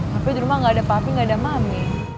tapi di rumah gak ada papi gak ada mami